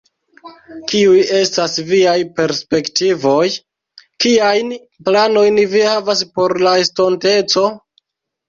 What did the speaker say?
Kiuj estas viaj perspektivoj, kiajn planojn vi havas por la estonteco?